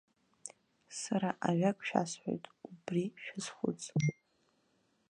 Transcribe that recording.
Сара ажәак шәасҳәоит, убри шәазхәыц.